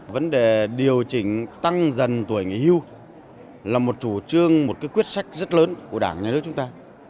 vấn đề điều chỉnh tăng dần tuổi nghỉ hưu là một chủ trương một cái quyết sách rất lớn của đảng nhà nước chúng ta